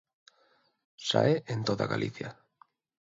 Sae en toda Galicia.